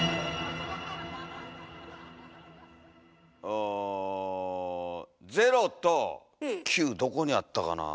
お０と９どこにあったかなあ。